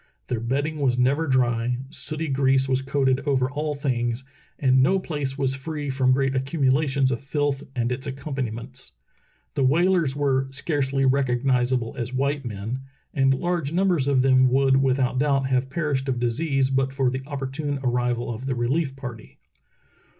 Their bedding was never dry, sooty grease was coated over all things, and no place was free from great accumulations of filth and its accompaniments. The whalers were "scarcely rec ognizable as white men, " and large numbers of them would without doubt have perished of disease but for the opportune arrival of the relief party.